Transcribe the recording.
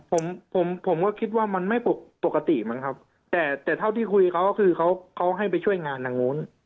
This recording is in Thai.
ผมผมผมก็คิดว่ามันไม่ปกติมั้งครับแต่แต่เท่าที่คุยเขาก็คือเขาเขาให้ไปช่วยงานทางนู้น